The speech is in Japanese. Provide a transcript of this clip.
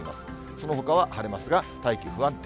そのほかは晴れますが、大気不安定。